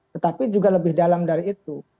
tetapi juga lebih dalam dari itu